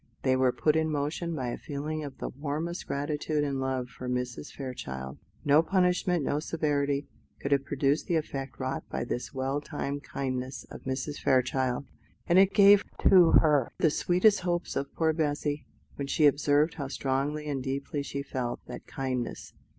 They were put in motion by a feeling of the warmest gratitude and love for Mrs. Fairchild. No punishment, no severity, could have produced the effect wrought by this well timed kindness of Mrs. Fairchild; and it gave to her the sweetest hopes of poor Bessy, when she observed how strongly and deeply she felt that kindness.